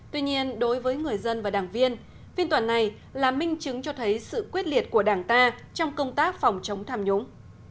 tuy nhiên đối với người dân và đảng viên phiên toàn này là minh chứng cho thấy sự quyết liệt của đảng ta trong công tác phòng chống tham nhũng